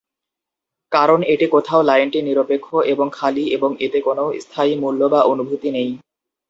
কারণ এটি কোথাও লাইনটি নিরপেক্ষ এবং খালি এবং এতে কোনও স্থায়ী মূল্য বা অনুভূতি নেই।